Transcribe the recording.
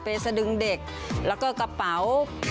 เป็ดเสดึงเด็กแล้วก็กระเป๋า